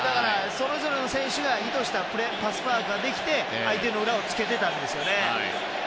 それぞれの選手が意図したパスワークができて相手の裏を突けてたんですよね。